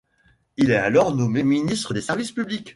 Il est alors nommé ministre des Services publics.